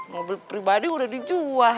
mobil pribadi udah dijual